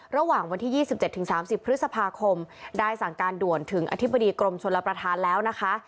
ระหว่างวันที่๒๗๓๐พฤษภาคมได้สั่งการด่วนถึงอธิบดีกรมชลประธานแล้วนะคะ